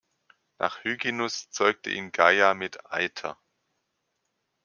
Nach Hyginus zeugte ihn Gaia mit Aither.